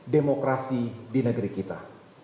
demokrasi di negeri kita